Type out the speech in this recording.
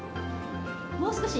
もう少し？